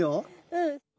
うん。